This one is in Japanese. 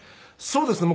そうですね。